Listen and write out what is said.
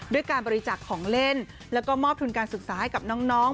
ด้วยการบริจักษ์ของเล่นแล้วก็มอบทุนการศึกษาให้กับน้อง